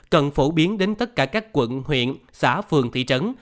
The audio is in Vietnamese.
cần phổ biến đến tất cả các quận huyện xã phường thị trấn